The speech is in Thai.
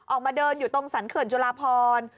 ออกมาเดินอยู่ตรงสรรเขื่อนจุลาพร